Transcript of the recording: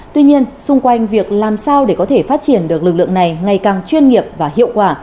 tuy nhiên xung quanh việc làm sao để có thể phát triển được lực lượng này ngày càng chuyên nghiệp và hiệu quả